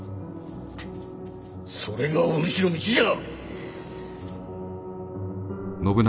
それがお主の道じゃ！